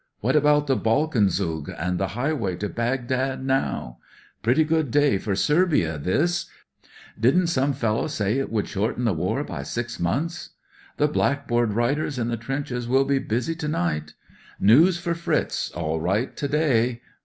What about the Balkan Zug and the highway to Baghdad now ?"" Pretty^good day for Serbia, this 1 " "Didn't some fellow say it would shorten the war by six months ?" "The blackboard writers in the trenches will be busy to night." News for Fritz, all right, to day."